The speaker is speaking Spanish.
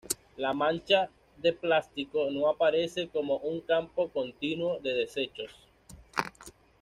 La mancha de plástico no aparece como un campo continuo de desechos.